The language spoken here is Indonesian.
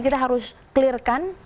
kita harus clearkan